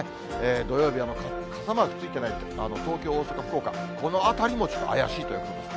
土曜日は傘マークついてない、東京、大阪、福岡、この辺りもちょっと怪しいということです。